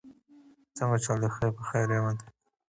They make no reference to stone circles.